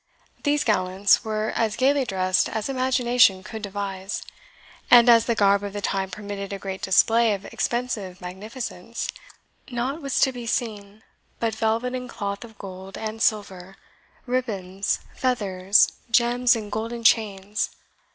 These gallants were as gaily dressed as imagination could devise; and as the garb of the time permitted a great display of expensive magnificence, nought was to be seen but velvet and cloth of gold and silver, ribbons, leathers, gems, and golden chains.